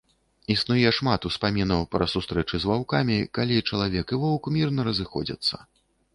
Існуе шмат успамінаў пра сустрэчы з ваўкамі, калі чалавек і воўк мірна разыходзяцца.